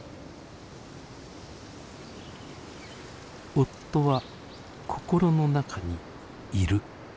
夫は心の中にいる。